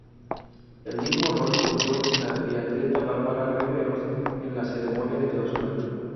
El mismo rol cumplió la triatleta Bárbara Riveros en la ceremonia de clausura.